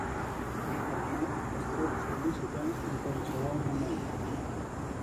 El carnet es pot sol·licitar en qualsevol moment.